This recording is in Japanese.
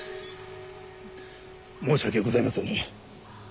申し訳ございません。